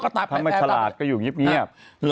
ถ้าไม่ฉลาดก็อยู่เงียบ